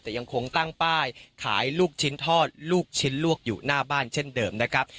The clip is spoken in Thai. แต่ยังคงตั้งป้ายขายลูกชิ้นทอดลูกชิ้นลวกอยู่หน้าบ้านเช่นเดิมนะครับ